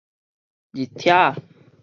日拆仔